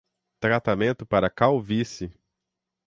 Tratamento para calvície